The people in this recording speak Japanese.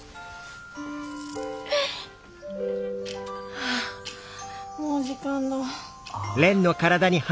ああもう時間だ。